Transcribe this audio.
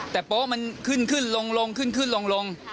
แต่โป๊ะมันขึ้นลง